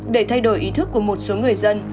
để thay đổi ý thức của một số người dân